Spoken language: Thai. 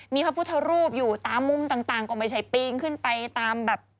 มีพระพุทธรูปอยู่ตามมุมต่างก็ไม่ใช่ปีนขึ้นไปตามแบบ